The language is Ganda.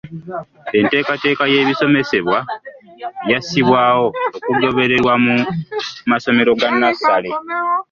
Enteekateeka y’ebisomesebwa yassibwawo okugobererwa mu masomero ga nnassale.